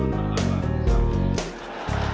nah ini juga